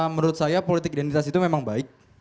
menurut saya politik identitas itu memang baik